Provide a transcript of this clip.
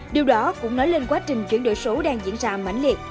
điều đó cũng nói lên quá trình chuyển đổi số đang diễn ra mạnh liệt